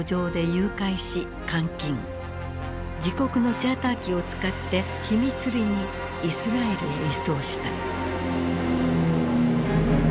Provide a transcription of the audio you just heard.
自国のチャーター機を使って秘密裏にイスラエルへ移送した。